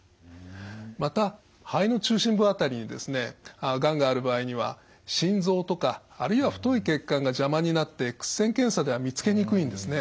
また肺の中心部辺りにですねがんがある場合には心臓とかあるいは太い血管が邪魔になってエックス線検査では見つけにくいんですね。